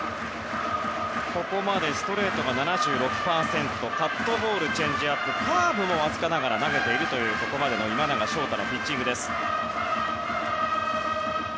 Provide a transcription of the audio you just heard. ここまでストレートが７６％カットボール、チェンジアップカーブもわずかながら投げているというここまでの今永昇太。